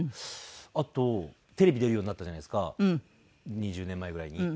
あとテレビ出るようになったじゃないですか２０年前ぐらいに。